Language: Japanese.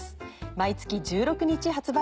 毎月１６日発売。